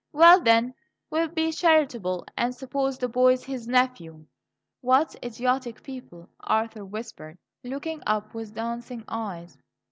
Well then, we'll be charitable and suppose the boy's his nephew." "What idiotic people!" Arthur whispered, looking up with dancing eyes.